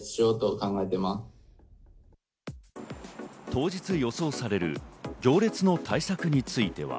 当日予想される行列の対策については。